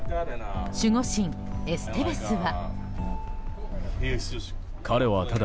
守護神エステベスは。